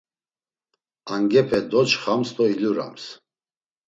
Angepe doçxams do ilurams.